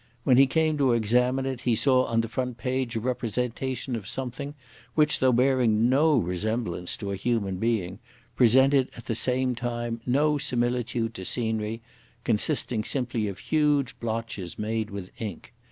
When he came to examine it, he saw on the front page a representation of something, which, though bearing no resemblance to a human being, presented, at the same time, no similitude to scenery; consisting simply of huge blotches made with ink.